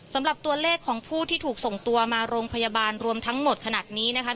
สำหรับตัวเลขของผู้ที่ถูกส่งตัวมาโรงพยาบาลรวมทั้งหมดขนาดนี้นะคะ